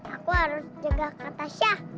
aku harus jaga kak tasya